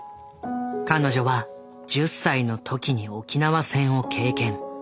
彼女は１０歳のときに沖縄戦を経験。